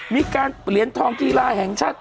มีการเปลี่ยนทองกีฬาแห่งชาติ